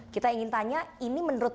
kita ingin tanya ini menurut